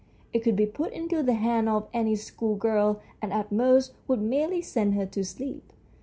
It could be put into the hands of any schoolgirl, and at most would merely send her to sleep.